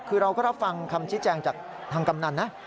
คือเราก็รับฟังคำชี้แจงจากทางกำนันนะ